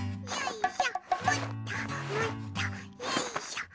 よいしょ！